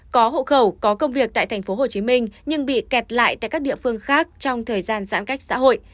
có hộ khẩu có công việc tại tp hcm nhưng bị kẹt lại tại các địa phương khác trong thời gian giãn cách xã hội